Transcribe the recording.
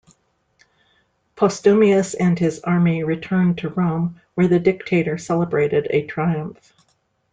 Postumius and his army returned to Rome, where the dictator celebrated a triumph.